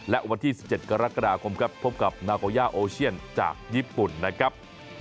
และวันที่๑๗กรกฎาคมครับพบกับนาโกย่าโอเชียนจากญี่ปุ่นนะครับ